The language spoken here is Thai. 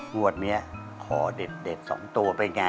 งวดนี้ขอเด็ด๒ตัวเป็นไง